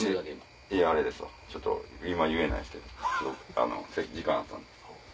ちょっと今言えないんすけど時間あったんで。